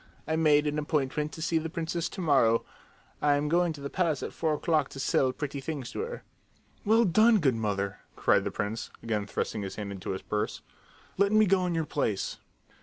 "I made an appointment to see the princess to morrow. I am going to the palace at four o'clock to sell pretty things to her." "Well done, good mother!" cried the prince, again thrusting his hand into his purse. "Let me go in your place!"